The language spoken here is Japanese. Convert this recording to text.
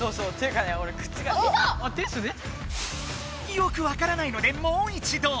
よくわからないのでもう一度。